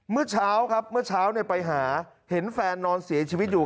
เมื่อเช้าครับเมื่อเช้าไปหาเห็นแฟนนอนเสียชีวิตอยู่